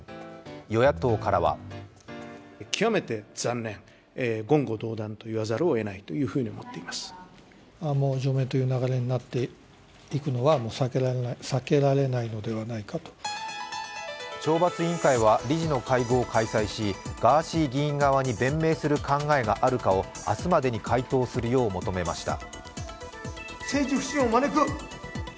与野党からは懲罰委員会は理事の会合を開催し、ガーシー議員側に弁明する考えがあるかを明日までに回答するよう求めました。